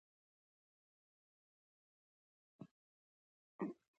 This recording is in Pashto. تل د خپلو خلکو تر څنګ ودریږی